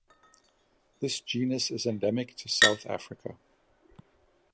This genus is endemic to South Africa.